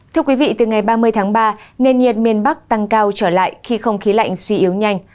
thưa quý vị từ ngày ba mươi tháng ba nền nhiệt miền bắc tăng cao trở lại khi không khí lạnh suy yếu nhanh